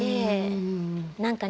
何かね